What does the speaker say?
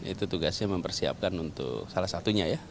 itu tugasnya mempersiapkan untuk salah satunya ya